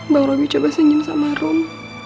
bang robi coba senyum sama rum